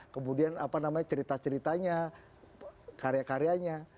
kemudian apa namanya cerita ceritanya karya karyanya